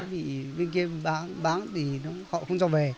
vì bên kia bán thì họ không cho về